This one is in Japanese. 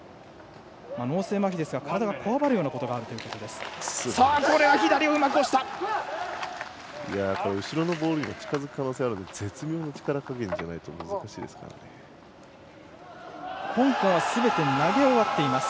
脳性まひですが体がこわばるようなことがあるということです。